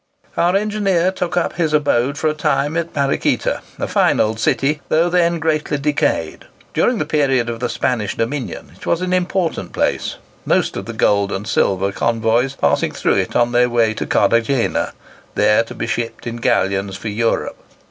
Our engineer took up his abode for a time at Mariquita, a fine old city, though then greatly decayed. During the period of the Spanish dominion, it was an important place, most of the gold and silver convoys passing through it on their way to Cartagena, there to be shipped in galleons for Europe.